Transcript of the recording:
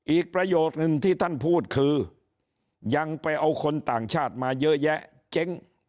อีกประโยชน์หนึ่งที่ท่านพูดคือยังไปเอาคนต่างชาติมาเยอะแยะเจ๊ง